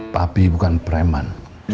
tapi bukan preman